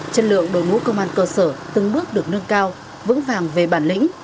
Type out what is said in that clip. chân lượng đối mũ công an cơ sở từng bước được nâng cao vững vàng về bản lĩnh